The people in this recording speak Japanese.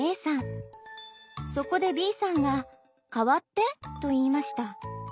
そこでＢさんが「代わって」と言いました。